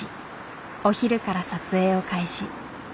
お昼から撮影を開始。